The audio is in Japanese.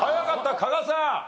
加賀さん。